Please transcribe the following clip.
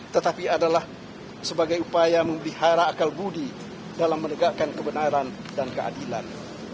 tetapi adalah sebagai upaya memelihara akal budi dalam menegakkan kebenaran dan keadilan